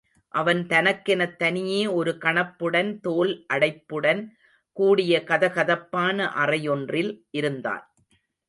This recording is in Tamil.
அவன் தனக்கெனத் தனியே ஒரு கணப்புடன் தோல் அடைப்புடன் கூடிய கதகதப்பான அறையொன்றில் இருந்தான்.